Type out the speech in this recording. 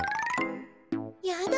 やだ。